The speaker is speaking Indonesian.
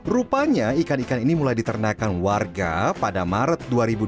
rupanya ikan ikan ini mulai diternakan warga pada maret dua ribu dua puluh